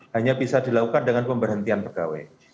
hanya bisa dilakukan dengan pemberhentian pegawai